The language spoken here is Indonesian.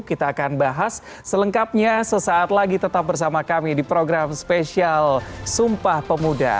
kita akan bahas selengkapnya sesaat lagi tetap bersama kami di program spesial sumpah pemuda